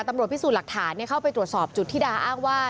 ตำรวจพิสูจน์หลักฐานเข้าไปตรวจสอบจุดที่ดาอ้างว่า